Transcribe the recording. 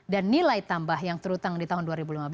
dan nilai tambah yang terhutang di tahun dua ribu lima belas